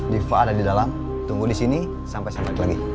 diva ada di dalam tunggu di sini sampai sampai lagi